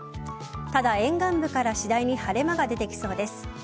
ただ、沿岸部から次第に晴れ間が出てきそうです。